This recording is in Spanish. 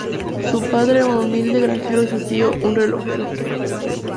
Su padre era un humilde granjero y su tío un relojero.